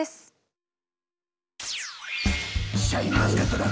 シャインマスカットだ！